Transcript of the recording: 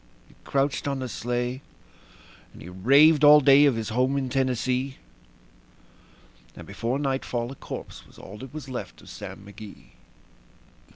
He crouched on the sleigh, and he raved all day of his home in Tennessee; And before nightfall a corpse was all that was left of Sam McGee.